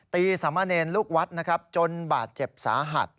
ตีสัมมาเนรลูกวัดจนบาดเจ็บสาหัส